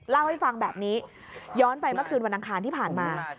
เล่าให้ฟังแบบนี้ย้อนไปเมื่อคืนวันอังคารที่ผ่านมา